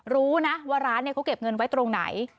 รู้นะว่าร้านเขาเก็บเงินไว้ตรงไหน